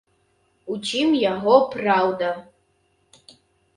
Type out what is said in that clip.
У чым яго праўда?